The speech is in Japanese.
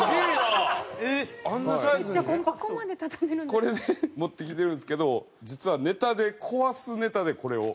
これで持ってきてるんですけど実はネタで壊すネタでこれを。